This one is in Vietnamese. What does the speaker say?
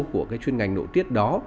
của chuyên ngành nội tiết đó